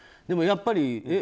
でも、やっぱり。